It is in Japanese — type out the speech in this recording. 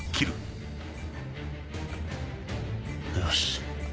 よし。